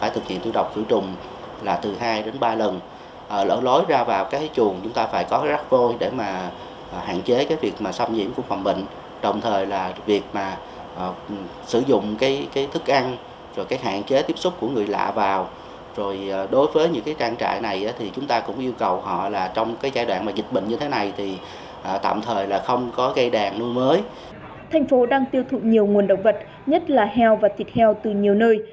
thành phố đang tiêu thụ nhiều nguồn động vật nhất là heo và thịt heo từ nhiều nơi